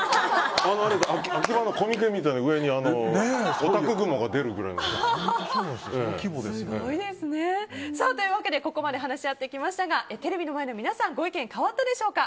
アキバのコミケみたいにオタク雲が出るくらい。というわけでここまで話し合ってきましたがテレビの前の皆さんご意見変わったでしょうか。